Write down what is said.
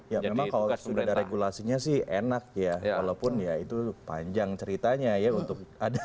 ya memang kalau sudah ada regulasinya sih enak ya walaupun ya itu panjang ceritanya ya untuk ada